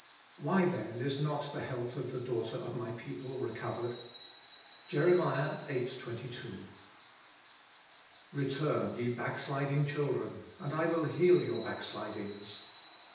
why then is not the health of the daughter of my people recovered ?" JER. viii. 22. " Eetnrn, ye hacksliding children, and I will heal your back slidings.